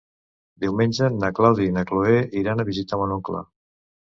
Diumenge na Clàudia i na Cloè iran a visitar mon oncle.